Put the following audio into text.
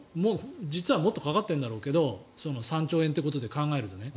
実はもっとかかってるんだろうけど３兆円ということで考えるとね。